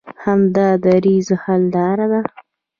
همدا دریځ حل لاره ده.